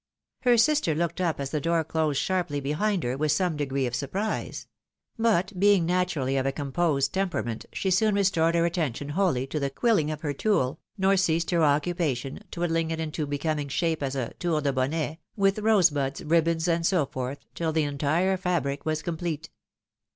Her sister looked up as the door closed sharply behind her, A TELESCOPIC INTRODUCTION. 135 ■with some degree of surprise ; but being naturally of a composed temperament, she soon restored her attention wholly to tha quilling of her tulle, nor ceased her occupation, twiddUng it into becoming shape as a tour de bonnet, with rosebuds, ribbons, and so forth, till the entire fabric was complete.